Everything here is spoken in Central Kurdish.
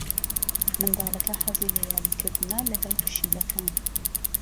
منداڵەکە حەزی لە یاریکردنە لەگەڵ پشیلەکان.